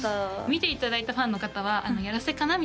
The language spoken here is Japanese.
見ていただいたファンの方はやらせかな？